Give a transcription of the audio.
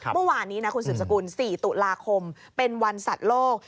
เมื่อวานนี้นะคุณสืบสกุล๔ตุลาคมเป็นวันสัตว์โลก